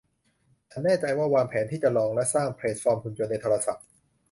ฉันแน่ใจว่าวางแผนที่จะลองและสร้างแพลตฟอร์มหุ่นยนต์ในโทรศัพท์